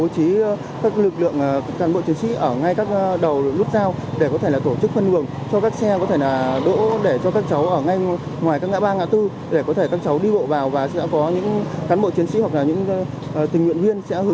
chí lực lượng đưa đón tận nơi để kịp thời thi cho nó đúng giờ